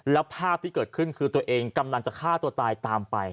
แล้วภาพที่เกิดขึ้นคือตัวเองกำลังจะฆ่าตัวตายตามไป